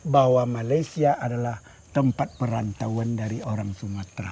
bahwa malaysia adalah tempat perantauan dari orang sumatera